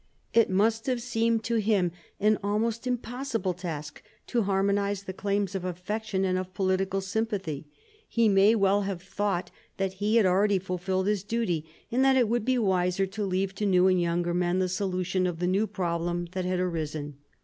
It must have seemed to him an almost im possible task to harmonise the claims of affection and of political sympathy. He may well have thought that he had already fulfilled his duty, and that it would be wiser to leave to new and younger men the solution of the new problem that had arisen.